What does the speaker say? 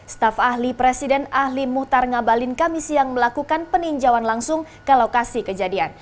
staf ahli presiden ahli muhtar ngabalin kami siang melakukan peninjauan langsung ke lokasi kejadian